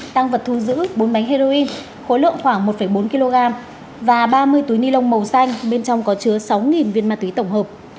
tăng vật thu giữ bốn bánh heroin khối lượng khoảng một bốn kg và ba mươi túi ni lông màu xanh bên trong có chứa sáu viên ma túy tổng hợp